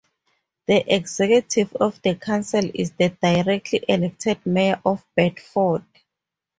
The executive of the council is the directly elected mayor of Bedford.